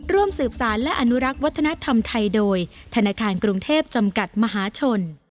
ร่วมสืบสารและอนุรักษ์วัฒนธรรมไทยโดยธนาคารกรุงเทพจำกัดมหาชน